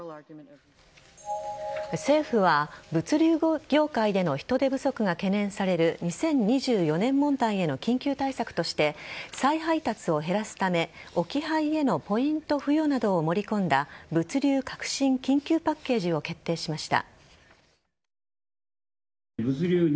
政府は、物流業界での人手不足が懸念される２０２４年問題への緊急対策として再配達を減らすため置き配へのポイント付与などを盛り込んだ物流革新緊急パッケージを決定しました。